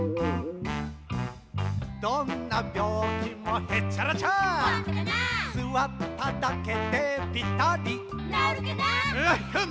どんなびょうきもへっちゃらちゃほんとかなすわっただけでぴたりなおるかなエヘン！